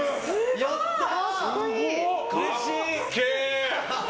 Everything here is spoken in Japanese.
やったー！